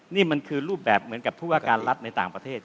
นี่มันคือรูปแบบเหมือนกับผู้ว่าการรัฐในต่างประเทศ